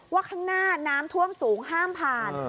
ข้างหน้าน้ำท่วมสูงห้ามผ่าน